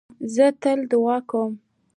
زه تل دؤعا کوم.